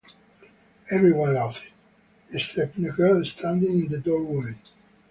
Everyone laughed, except the girl standing in the doorway.